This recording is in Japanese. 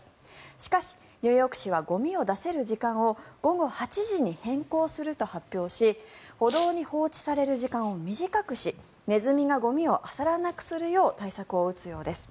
しかし、ニューヨーク市はゴミを出せる時間を午後８時に変更すると発表し歩道に放置される時間を短くしネズミがゴミをあさらなくするよう対策を打つようです。